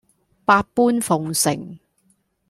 百般奉承